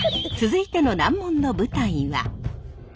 続いての難問の舞台は。